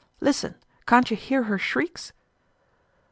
Listen, can't you hear her shrieks?"